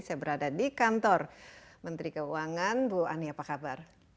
saya berada di kantor menteri keuangan bu ani apa kabar